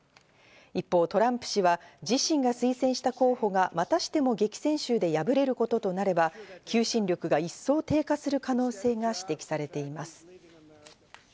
一方、トランプ氏は自身が推薦した候補がまたしても激戦州で敗れることとなれば求心力が一層低下する可能性が指摘されています。